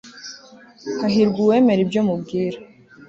hahirwa uwemera ibyo mubwira